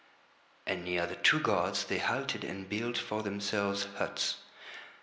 And near the two gods they halted and built for themselves huts.